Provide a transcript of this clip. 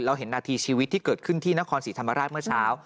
เห็นนาทีชีวิตที่เกิดขึ้นที่นครศรีธรรมราชเมื่อเช้า